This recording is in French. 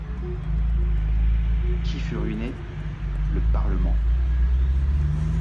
Qui fut ruiné ? le Parlement.